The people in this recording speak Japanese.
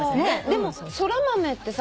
でもそら豆ってさ